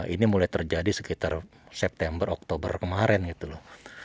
ini mulai terjadi sekitar september oktober kemarin gitu loh